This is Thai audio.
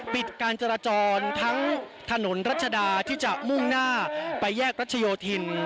ปิดการจราจรทั้งถนนรัชดาที่จะมุ่งหน้าไปแยกรัชโยธิน